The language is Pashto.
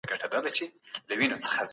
ایا دا ستا خپله جوړه کړي وسیله ده؟